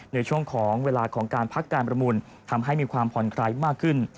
ในช่วงของเวลาของการพักการประมูลทำให้มีความผ่อนคลายมากขึ้น